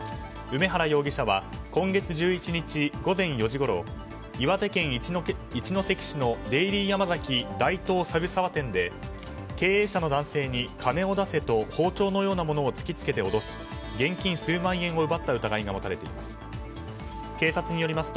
梅原容疑者は今月１１日午前４時ごろ岩手県一関市のデイリーヤマザキ大東猿沢店で経営者の男性に金を出せと包丁なようなものを突き付けて脅し現金数万円を奪った疑いが持たれています。